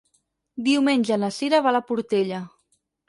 Diumenge na Cira va a la Portella.